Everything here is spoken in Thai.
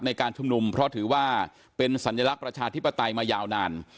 ในการชุมนุมเพราะถือว่าเป็นสัญลักษณ์ประชาธิปไตยมายาวนาน